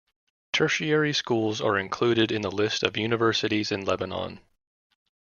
Tertiary schools are included in the list of universities in Lebanon.